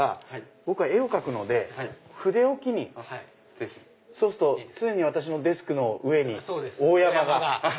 僕は絵を描くので筆置きに。そうすると常に私のデスクの上に大山が。